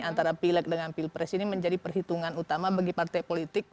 antara pilek dengan pilpres ini menjadi perhitungan utama bagi partai politik